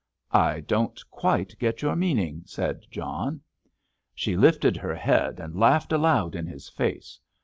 "I don't quite get your meaning," said John. She lifted her head and laughed aloud in his face.